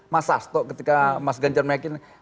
mas sasto ketika mas ganjar meyakinkan